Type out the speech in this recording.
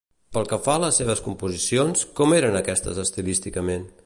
Pel que fa a les seves composicions, com eren aquestes estilísticament?